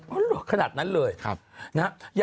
อ้อเหรอขนาดนั้นเลย